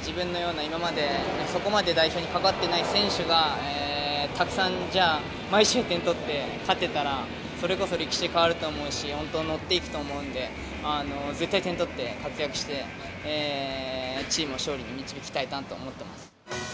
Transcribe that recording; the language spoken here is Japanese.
自分のような、今までそこまで代表に関わってない選手が、たくさん、毎試合点取って勝てたら、それこそ歴史変わると思うし、本当、乗っていくと思うんで、絶対点取って、活躍して、チームを勝利に導きたいなと思っています。